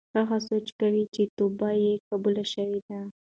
هغه سوچ کاوه چې توبه یې قبوله شوې ده.